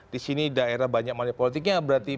di sini daerah banyak money politiknya berarti